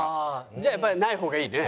じゃあやっぱりない方がいいね。